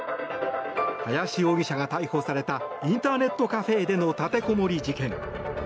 林容疑者が逮捕されたインターネットカフェでの立てこもり事件。